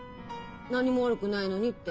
何も悪くないのに」って。